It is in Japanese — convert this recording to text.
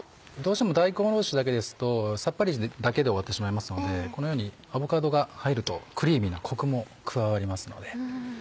どうしても大根おろしだけですとさっぱりだけで終わってしまいますのでこのようにアボカドが入るとクリーミーなコクも加わりますので。